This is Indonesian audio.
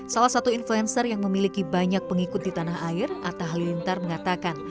salah satu influencer yang memiliki banyak pengikut di tanah air atta halilintar mengatakan